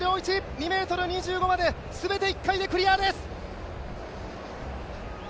２ｍ２５まで、全て１回でクリアです！